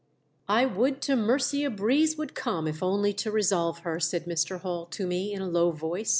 " I would to mercy a breeze would come if only to resolve her!' said Mr. Hall to me in a low voice.